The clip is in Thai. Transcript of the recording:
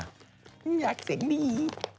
ฉันอยากเสียงนี้